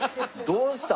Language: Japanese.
「どうした？」。